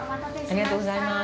ありがとうございます。